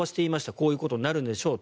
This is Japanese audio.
こういうことになるでしょうと。